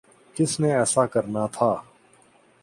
کس نے ایسا کرنا تھا؟